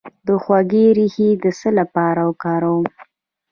د هوږې ریښه د څه لپاره وکاروم؟